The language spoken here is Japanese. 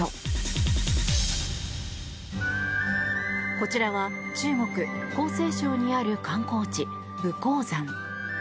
こちらは中国・江西省にある観光地、武功山。